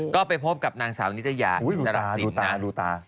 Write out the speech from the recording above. ก็ไปพบกับนางสาวนิตยาอิสรสินนะ